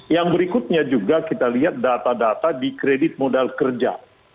yang berikutnya juga kita lihat data data di kredit modal kerja